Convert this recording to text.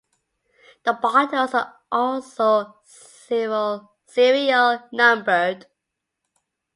The bottles are also serial numbered.